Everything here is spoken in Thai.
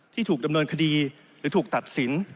ที่ถูกดำเนินคดีหรือถูกตัดสิน